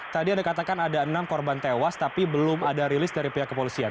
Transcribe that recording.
tadi anda katakan ada enam korban tewas tapi belum ada rilis dari pihak kepolisian